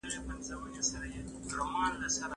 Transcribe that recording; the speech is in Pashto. هغه ډلې چې تضاد لري پرمختګ نسي کولای.